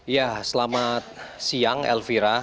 ya selamat siang elvira